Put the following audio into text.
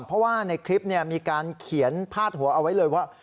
เพราะว่าในคลิปมีการเขียนพาดหัวเอาไว้เลยว่า